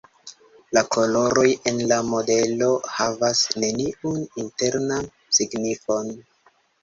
La koloroj en la modelo havas neniun internan signifon.